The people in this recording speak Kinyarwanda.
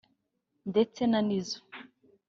ndetse na Nizzo